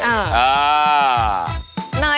เออ